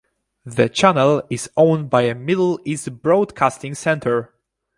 The channel is owned by Middle East Broadcasting Center.